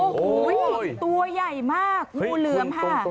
โอ้โหตัวใหญ่มากงูเหลือมค่ะ